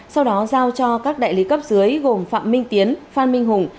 sau đó giao cho các đại lý cấp dưới gồm phạm minh tiến phan minh hùng